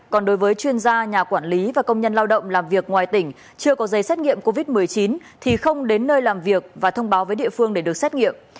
còn đối với chuyên gia nhà quản lý và công nhân lao động làm việc ngoài tỉnh chưa có giấy xét nghiệm covid một mươi chín thì không đến nơi làm việc và thông báo với địa phương để được xét nghiệm